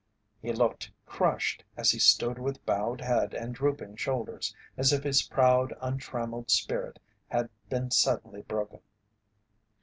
He looked crushed as he stood with bowed head and drooping shoulders as if his proud, untrammelled spirit had been suddenly broken.